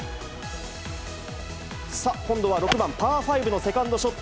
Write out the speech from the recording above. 今度は６番パーファイブのセカンドショット。